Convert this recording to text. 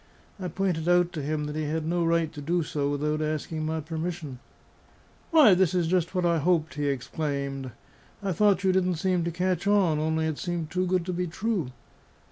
I pointed out to him that he had no right to do so without asking my permission. "Why, this is just what I hoped!" he exclaimed. "I thought you didn't seem to catch on; only it seemed too good to be true."